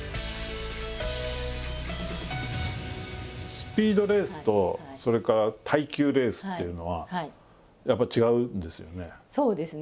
スピードレースとそれから耐久レースっていうのはやっぱり違うんですよね。